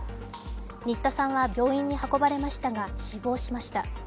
新田さんは病院に運ばれましたが死亡しました。